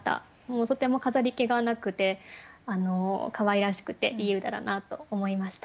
とても飾り気がなくてかわいらしくていい歌だなと思いました。